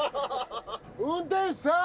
運転手さん！